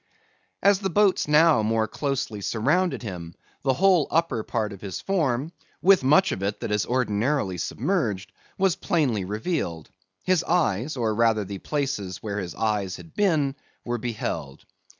As the boats now more closely surrounded him, the whole upper part of his form, with much of it that is ordinarily submerged, was plainly revealed. His eyes, or rather the places where his eyes had been, were beheld.